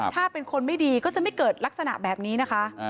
ถ้าเป็นคนไม่ดีก็จะไม่เกิดลักษณะแบบนี้นะคะ